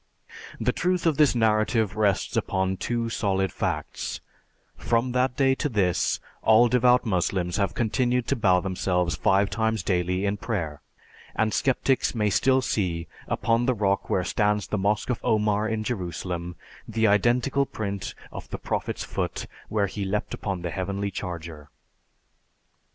The truth of this narrative rests upon two solid facts: from that day to this, all devout Moslems have continued to bow themselves five times daily in prayer, and sceptics may still see, upon the rock where stands the Mosque of Omar in Jerusalem, the identical print of the Prophet's foot where he leaped upon the Heavenly Charger.